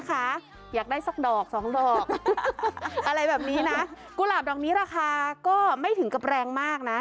อยากได้สักดอกสองดอกอะไรแบบนี้นะกุหลาบดอกนี้ราคาก็ไม่ถึงกับแรงมากนะ